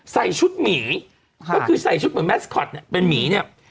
ใส่ชุดหมีคือใส่ชุดแบบแมสคอตเป็นหมีเนี่ย